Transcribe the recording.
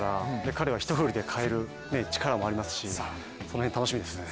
彼は一振りで変える力もありますしその辺、楽しみですね。